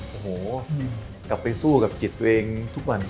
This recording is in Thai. โอ้โหกลับไปสู้กับจิตตัวเองทุกวัน